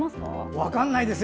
分からないですよ。